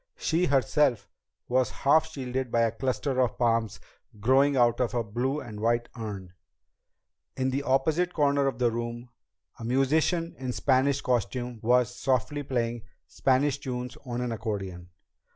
She herself was half shielded by a cluster of palms growing out of a blue and white urn. In the opposite corner of the room, a musician in a Spanish costume was softly playing Spanish tunes on an accordion.